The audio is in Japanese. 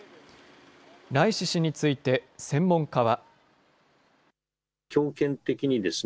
ライシ師について専門家は。